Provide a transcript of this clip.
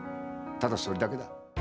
ただそれだけだ。